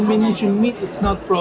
ini untuk salur kering